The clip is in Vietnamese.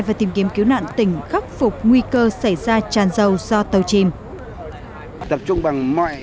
và tìm kiếm cứu nạn tỉnh khắc phục nguy cơ xảy ra tràn dâu do tàu chiêm